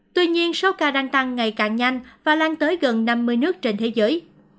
tuy nhiên số ca đang tăng ngày càng nhanh và lan tới gần năm mươi nước trên thế giới